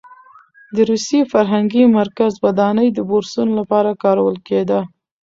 د روسي فرهنګي مرکز ودانۍ د بورسونو لپاره کارول کېده.